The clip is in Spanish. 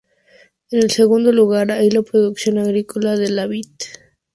En el segundo lugar hay la producción agrícola de la vid.